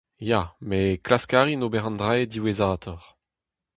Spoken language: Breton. Ya, met klask a rin ober an dra-se diwezhatoc'h !